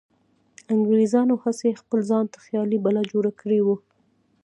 انګریزانو هسې خپل ځانته خیالي بلا جوړه کړې وه.